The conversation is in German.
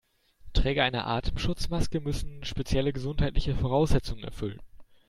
Träger einer Atemschutzmaske müssen spezielle gesundheitliche Voraussetzungen erfüllen.